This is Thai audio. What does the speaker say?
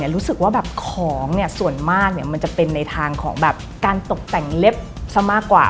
รู้สึกว่าแบบของส่วนมากมันจะเป็นในทางของแบบการตกแต่งเล็บซะมากกว่า